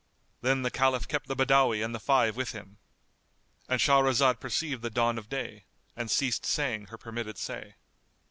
Then the Caliph kept the Badawi and the five with him,——And Shahrazad perceived the dawn of day and ceased saying her permitted say.